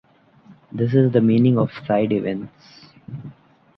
This is the meaning of "side events".